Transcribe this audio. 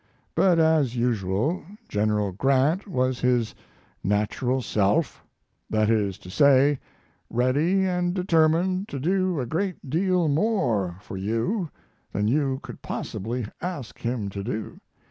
But, as usual, General Grant was his natural self that is to say, ready and determined to do a great deal more for you than you could possibly ask him to do.